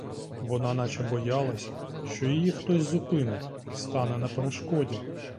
Вона наче боялась, що її хтось зупинить, стане на перешкоді.